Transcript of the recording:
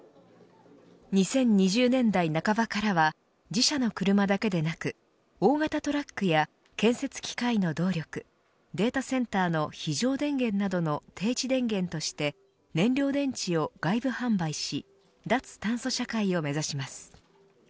２０２０年代半ばからは自社の車だけでなく大型トラックや建設機械の動力データセンターの非常電源などの定置電源として燃料電池を外部販売し脱炭素社会を目指します。